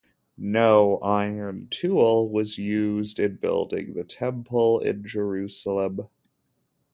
No iron tool was used in building the Temple in Jerusalem.